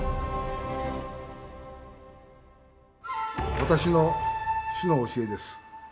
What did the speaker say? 私の「師の教え」です。